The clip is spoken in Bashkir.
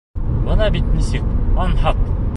Бына бит нисек анһат!